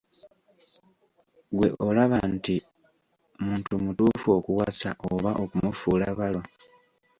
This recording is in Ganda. Ggwe olaba nti muntu mutuufu okukuwasa oba okumufuula balo?